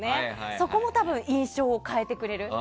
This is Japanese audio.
そこも多分、印象を変えてくれる。